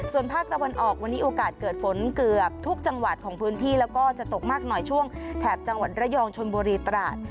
ส่วนภาคตะวันออกวันนี้โอกาสเกิดฝนเกือบทุกจังหวัดของพื้นที่แล้วก็จะตกมากหน่อยช่วงแถบจังหวัดระยองชนบุรีตราด